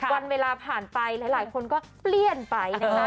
วันเวลาผ่านไปหลายคนก็เปลี่ยนไปนะคะ